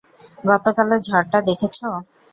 গতকালের ঝড়টা দেখেছ?